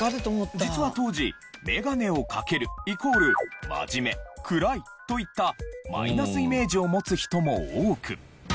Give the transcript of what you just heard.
実は当時メガネを掛けるイコール真面目暗いといったマイナスイメージを持つ人も多く。